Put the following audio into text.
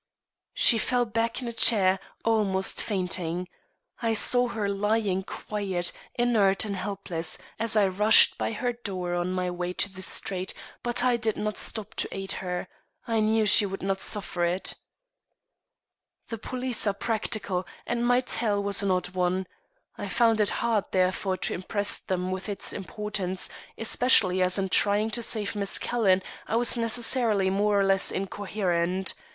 She fell back in a chair, almost fainting. I saw her lying quiet, inert and helpless as I rushed by her door on my way to the street, but I did not stop to aid her. I knew she would not suffer it. The police are practical, and my tale was an odd one. I found it hard, therefore, to impress them with its importance, especially as in trying to save Miss Calhoun I was necessarily more or less incoherent.